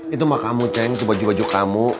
itu mah kamu ceng baju baju kamu